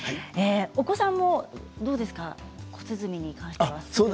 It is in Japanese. お子さんもどうですか小鼓に関しては。